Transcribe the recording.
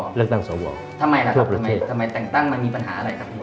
อโธ่เลือกตั้งสวพวกประเทศอเจมส์ทำไมล่ะครับทำไมแต่งตั้งมันมีปัญหาอะไรครับ